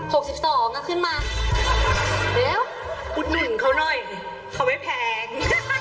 หกสิบสองอ่ะขึ้นมาเดี๋ยวอุดหนึ่งเขาหน่อยเขาไม่แพง